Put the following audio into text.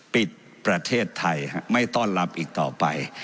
ปิดประเทศไทยไม่ต้อนรับอีกต่อไป